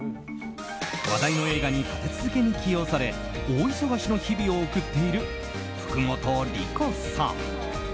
話題の映画に立て続けに起用され大忙しの日々を送っている福本莉子さん。